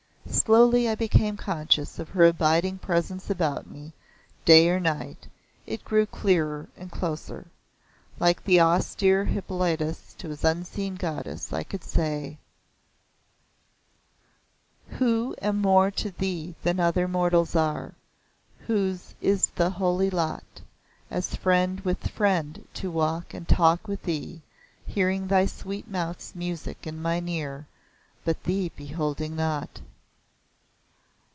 Slowly I became conscious of her abiding presence about me, day or night It grew clearer, closer. Like the austere Hippolytus to his unseen Goddess, I could say; "Who am more to thee than other mortals are, Whose is the holy lot, As friend with friend to walk and talk with thee, Hearing thy sweet mouth's music in mine ear, But thee beholding not."